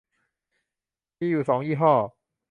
มีอยู่สองยี่ห้อ